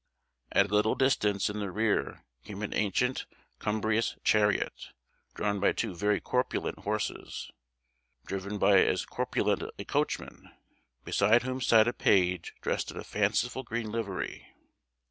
At a little distance in the rear came an ancient cumbrous chariot, drawn by two very corpulent horses, driven by as corpulent a coachman, beside whom sat a page dressed in a fanciful green livery.